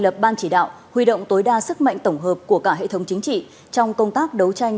lập ban chỉ đạo huy động tối đa sức mạnh tổng hợp của cả hệ thống chính trị trong công tác đấu tranh